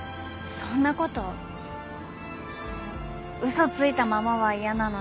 嘘ついたままは嫌なので。